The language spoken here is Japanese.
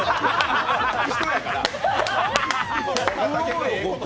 人やから。